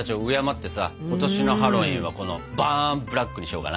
今年のハロウィーンはこのバーンブラックにしようかな。